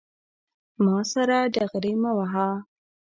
ما سره ډغرې مه وهه